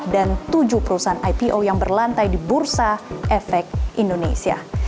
dan tujuh perusahaan ipo yang berlantai di bursa efek indonesia